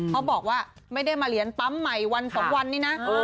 เขาบอกว่าไม่ได้มาเหรียญปั๊มใหม่วัน๒วันนี้นะ